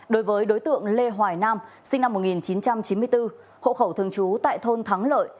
đối với đối tượng lê hoài nam sinh năm một nghìn chín trăm chín mươi bốn hộ khẩu thường trú tại thôn thắng lợi